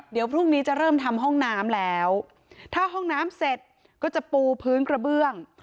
เดี๋ยวพรุ่งนี้จะเริ่มทำห้องน้ำแล้วถ้าห้องน้ำเสร็จก็จะปูพื้นกระเบื้อง